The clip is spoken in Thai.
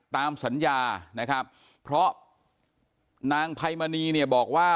ตามสัญญานะครับเพราะนางไพมณีเนี่ยบอกว่า